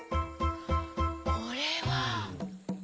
これは。